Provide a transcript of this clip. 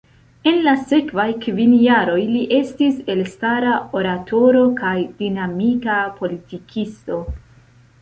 En la sekvaj kvin jaroj, li estis elstara oratoro kaj dinamika politikisto.